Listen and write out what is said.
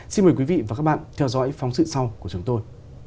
xin mời quý vị và các bạn theo dõi phóng sự sau của chúng tôi